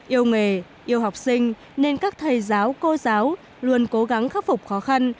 yêu nghề yêu học sinh nên các thầy giáo cô giáo luôn cố gắng khắc phục khó khăn